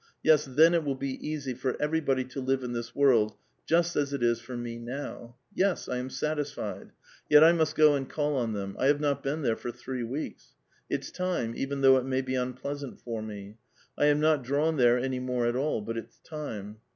Yes, then it will be easy for everybody to live in this world, just as it is for me now. Yes, I am satisfied ; yet I must go and call on them. I have not been there for three weeks ; it's time, even though it may be unpleasant for me. I am not drawn there any more at all ; but it's time.